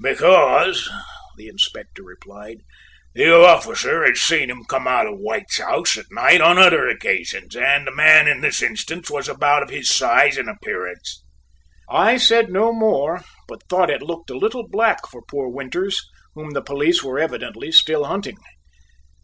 "Because," the Inspector replied, "the officer had seen him come out of White's house at night on other occasions and the man in this instance was of about his size and appearance." I said no more, but thought it looked a little black for poor Winters, whom the police were evidently still hunting.